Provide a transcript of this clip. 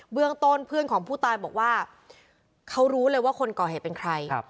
เรื่องต้นเพื่อนของผู้ตายบอกว่าเขารู้เลยว่าคนก่อเหตุเป็นใคร